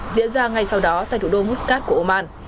diễn ra ngay sau đó tại thủ đô muscat của oman